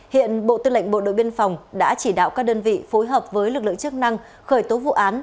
hiện bộ tư lệnh bộ đội biên phòng đã chỉ đạo các đơn vị phối hợp với lực lượng chức năng khởi tố vụ án